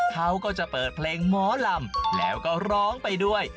เขาก็จะเปิดเพลงหมอลำแล้วก็ร้องไปด้วย